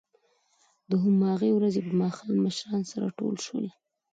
د همهغې ورځې په ماښام مشران سره ټول شول